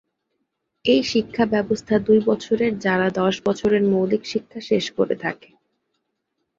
এই শিক্ষা ব্যবস্থা দুই বছরের যারা দশ বছরের মৌলিক শিক্ষা শেষ করে থাকে।